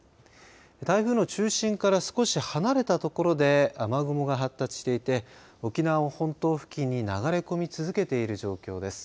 台風の中心から少し離れたところで雨雲が発達していて沖縄本島付近に流れ込み続けている状況です。